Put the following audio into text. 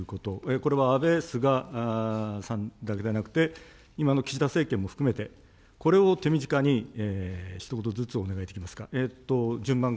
これは安倍、菅さんだけではなくて、今の岸田政権も含めて、これを手短にひと言ずつお願いできますか。